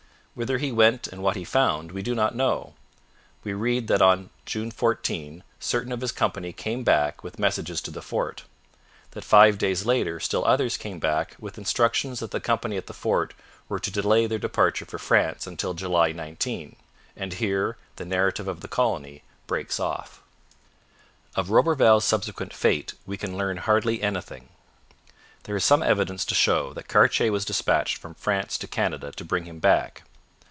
Whither he went and what he found we do not know. We read that on June 14. certain of his company came back with messages to the fort: that five days later still others came back with instructions that the company at the fort were to delay their departure for France until July 19. And here the narrative of the colony breaks off. Of Roberval's subsequent fate we can learn hardly anything. There is some evidence to show that Cartier was dispatched from France to Canada to bring him back.